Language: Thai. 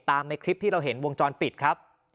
ในคลิปที่เราเห็นวงจรปิดครับ